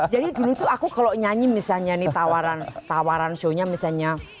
jadi dulu tuh aku kalau nyanyi misalnya nih tawaran tawaran shownya misalnya